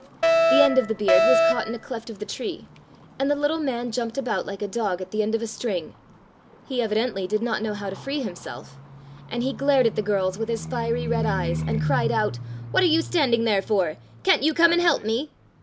The end of the beard was caught in a cleft of the tree, and the little man jumped about like a dog at the end of a string. He evi dently did not know how to free himself, and he glared at the girls with his fiery red eyes, and cried out: "What are you stand ing there for.^^ Can't you come and help me.